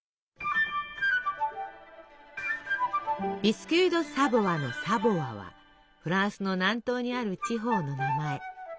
ビスキュイ・ド・サヴォワの「サヴォワ」はフランスの南東にある地方の名前。